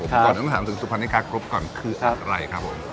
ก่อนถามถึงสุพรรณิกากรุ๊ปก่อนคืออะไรครับ